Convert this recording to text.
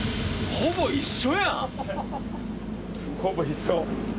ほぼ一緒。